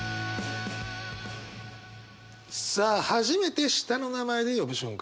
初めて下の名前で呼ぶ瞬間。